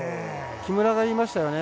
木村が言いましたよね。